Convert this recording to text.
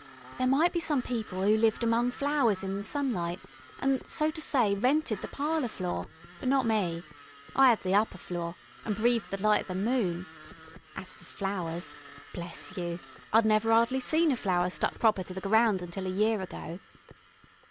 There might be people 'oo lived among flowers in the sunlight, an', so to say, rented the parlour floor, but not me. I 'ad the upper floor, an' breaved the light o' the moon. As for flowers bless you, I'd never 'ardly seen a flower stuck proper to the ground until a year ago.